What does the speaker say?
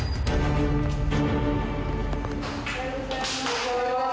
おはようございます。